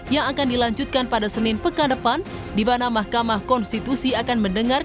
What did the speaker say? yang akan dilanjutkan pada senin pekan depan di mana mahkamah konstitusi akan mendengar